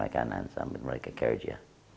saya ingin bekerja